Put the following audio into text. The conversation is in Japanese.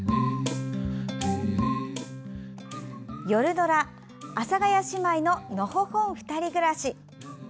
ドラ「阿佐ヶ谷姉妹ののほほんふたり暮らし」。